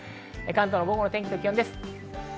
関東の午後の天気と気温です。